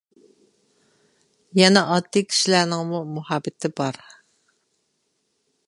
يەنە ئاددىي كىشىلەرنىڭمۇ مۇھەببىتى بار.